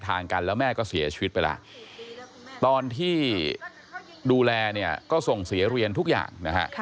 ทางกันแล้วแม่ก็เสียชีวิตไปแล้วตอนที่ดูแลเนี่ยก็ส่งเสียเรียนทุกอย่างนะฮะ